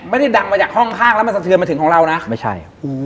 ไม่ได้ดังมาจากห้องข้างแล้วมันสะเทือนมาถึงของเรานะไม่ใช่